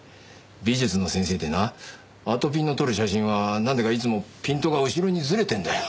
美術の先生でなあとぴんの撮る写真はなんだかいつもピントが後ろにずれてるんだよ。